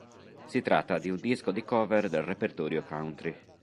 Si tratta di un disco di cover del repertorio country.